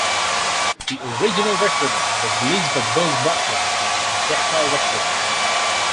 The original recording was released by Buz Butler on Decca records.